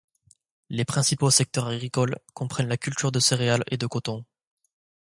Les principaux secteurs agricoles comprennent la culture de céréales et de coton.